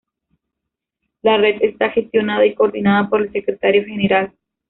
La red está gestionada y coordinada por el Secretario General.